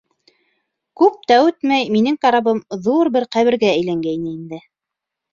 Күп тә үтмәй минең карабым ҙур бер ҡәбергә әйләнгәйне инде.